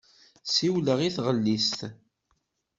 Siwleɣ i taɣellist.